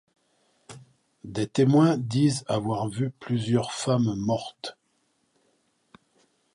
Des témoins disent avoir vu plusieurs femmes mortes.